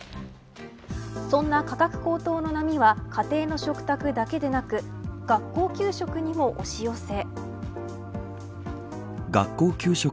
そんな価格高騰の波は家庭の食卓だけでなく学校給食にも押し寄せ。